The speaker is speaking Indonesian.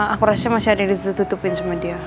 aku rasa masih ada yang ditutupin sama dia